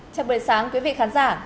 chào buổi sáng quý vị khán giả